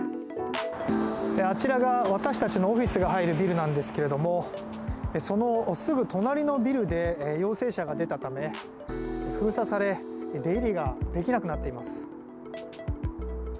あちらが私たちのオフィスが入るビルなんですけれどもそのすぐ隣のビルで陽性者が出たため封鎖され出入りができなくなっています。